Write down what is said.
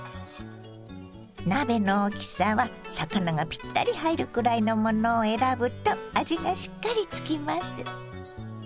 鍋の大きさは魚がピッタリ入るくらいのものを選ぶと味がしっかりつきます。